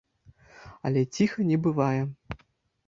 Але ціха не бывае.